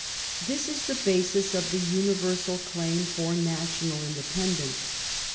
This is the basis of the universal claim for national independence.